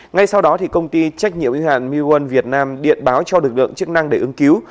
ngay sau đó công ty trách nhiệm y hạn miwan việt nam điện báo cho lực lượng chức năng để ứng cứu